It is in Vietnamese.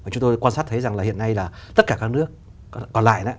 chúng tôi quan sát thấy rằng là hiện nay là tất cả các nước còn lại